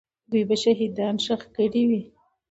دوی به شهیدان ښخ کړي وي.